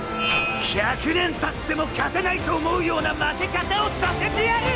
１００年たっても勝てないと思うような負け方をさせてやる！